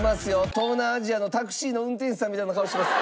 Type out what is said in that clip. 東南アジアのタクシーの運転手さんみたいな顔してます。